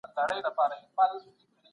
هغوی د ستورو په اړه په شعرونو کې لټون کاوه.